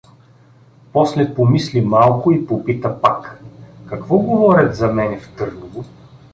После помисли малко и попита пак: — Какво говорят за мене в Търново?